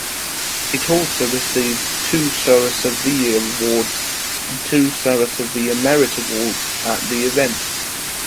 It also received two Sarasaviya awards and two Sarasaviya merit awards at the event.